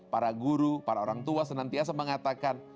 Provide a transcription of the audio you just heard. para guru para orang tua senantiasa mengatakan